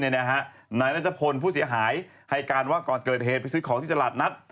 นายนัทพลผู้เสียหายให้การว่าก่อนเกิดเหตุไปซื้อของที่ตลาดนัด